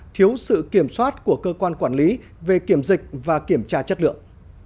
thiếu sự kiểm soát của cơ quan quản lý về kiểm dịch và kiểm tra chất lượng